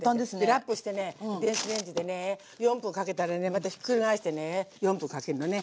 ラップしてね電子レンジでね４分かけたらねまたひっくり返してね４分かけるのね。